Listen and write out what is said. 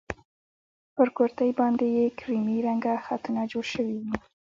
پر کورتۍ باندې يې کيريمي رنګه خطونه جوړ شوي وو.